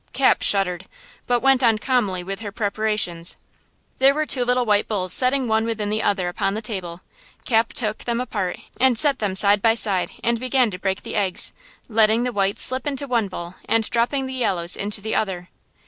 Cap shuddered, but went on calmly with her preparations. There were two little white bowls setting one within the other upon the table. Cap took then apart and set them side by side and began to break the eggs, letting the whites slip into one bowl and dropping the yellows into the other.